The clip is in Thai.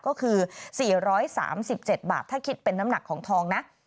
ก็คือ๔๓๗บาทถ้าคิดเป็นน้ำหนักของทองนะ